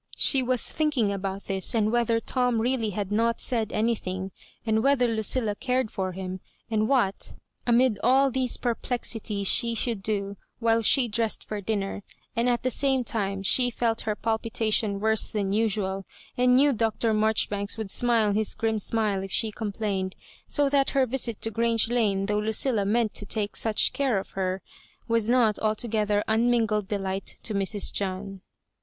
She was thinking about this, and whether Tom really had not said anything, and whether Lucilla cared for him, and what amid all these perplexities she should do, while she dressed for dinner ; and, at the same time, she felt her palpitation worse than usual, and knew Dr. Marjoribanks would smile his grim smile if she complained, so that her visit to Grrange Lane, though Lucilla meant to take such care of her, was not altogether unmingled delight to Mra John.